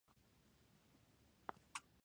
ځمکې لاندې کیږي.